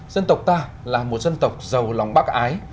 dân tộc ta là một dân tộc giàu lòng bác ái